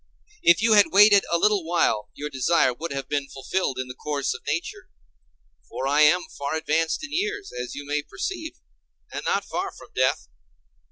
If you had waited a little while, your desire would have been fulfilled in the course of nature. For I am far advanced in years, as you may perceive and not far from death.